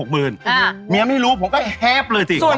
เมียไม่รู้ผมก็แฮปเลยสิ